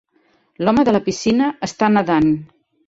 L'home de la piscina està nedant.